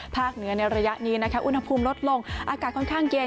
เหนือในระยะนี้นะคะอุณหภูมิลดลงอากาศค่อนข้างเย็น